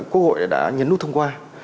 quốc hội đã nhấn nút thông qua